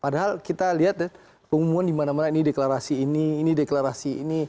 padahal kita lihat pengumuman di mana mana ini deklarasi ini ini deklarasi ini